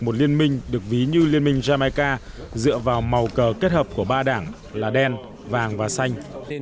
một liên minh được ví như liên minh jamika dựa vào màu cờ kết hợp của ba đảng là đen vàng và xanh